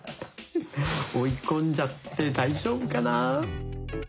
追い込んじゃって大丈夫かな？